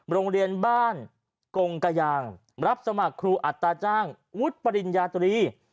โรงเรียนบ้านกงกะยางรับสมัครครูอัตราจ้างวุฒิปริญญาตรี